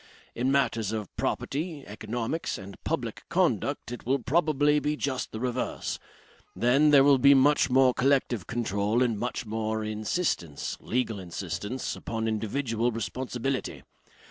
In matters of property, economics and public conduct it will probably be just the reverse. Then, there will be much more collective control and much more insistence, legal insistence, upon individual responsibility.